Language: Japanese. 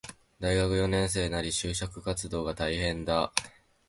大学四年生なり、就職活動が大変だ